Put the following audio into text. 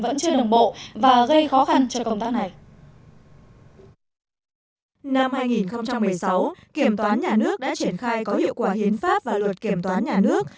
năm hai nghìn một mươi sáu kiểm toán nhà nước đã triển khai có hiệu quả hiến pháp và luật kiểm toán nhà nước